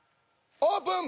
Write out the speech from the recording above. オープン！